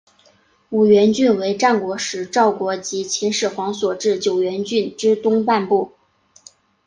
五原郡为战国时赵国及秦始皇所置九原郡之东半部。